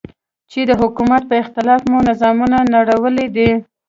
چې د حکومت په اختلاف مو نظامونه نړولي دي.